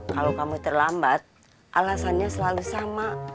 kalau kamu terlambat alasannya selalu sama